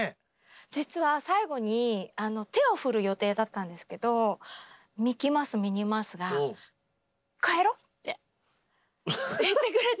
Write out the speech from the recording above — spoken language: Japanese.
実は最後に手を振る予定だったんですけどミッキーマウスミニーマウスが「こうやろう！」って言ってくれて。